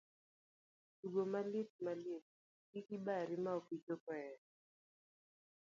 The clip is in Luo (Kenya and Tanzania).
Tugo Maliet Maliet, kik ibari ma okichopo eeee!